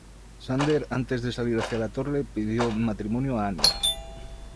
Xander, antes de salir hacia la torre, pide en matrimonio a Anya.